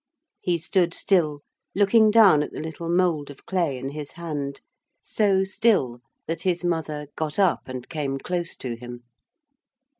He stood still, looking down at the little mould of clay in his hand so still that his mother got up and came close to him.